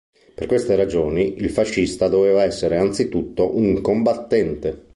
Per queste ragioni, il fascista doveva essere anzitutto un combattente.